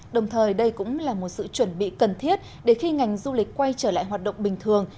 đồng thời đây cũng là một sự chuẩn bị cần thiết để khi ngành du lịch quay trở lại hoạt động bình thường